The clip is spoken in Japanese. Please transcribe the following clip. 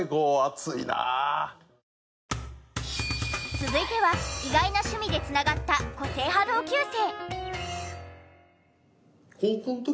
続いては意外な趣味で繋がった個性派同級生。